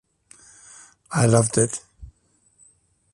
I loved it.